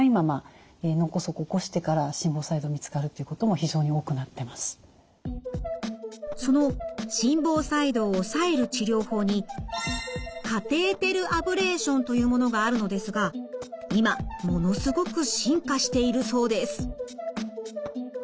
ご自身ではその心房細動を抑える治療法にカテーテルアブレーションというものがあるのですが今ものすごく進化しているそうです。